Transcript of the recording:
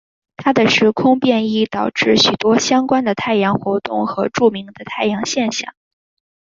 他的时空变异导致许多相关的太阳活动和著名的太阳现象。